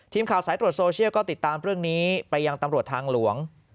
ทีมข่าวสายตรวจโซเชียลก็ติดตามเรื่องนี้ไปยังตำรวจทางหลวง